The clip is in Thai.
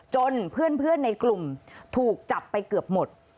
จนเพื่อนในกลุ่มถูกจับไปเกือบหมด